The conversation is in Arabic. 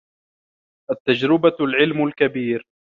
التجربة العلم الكبير